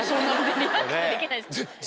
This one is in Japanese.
リラックスできないです。